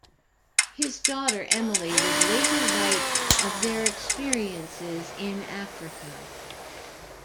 His daughter, Emily, would later write of their experiences in Africa.